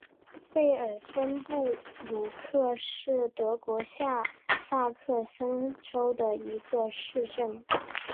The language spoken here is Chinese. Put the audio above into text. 贝尔森布吕克是德国下萨克森州的一个市镇。